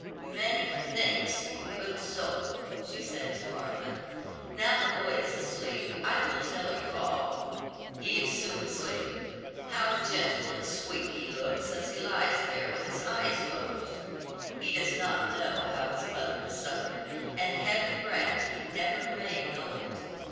"Many thanks, you good soul," she said to Martha. "Now the boy is asleep, I will tell you all. He is soon asleep. How gentle and sweet he looks as he lies there with his eyes closed! He does not know how his mother has suffered; and Heaven grant he never may know it.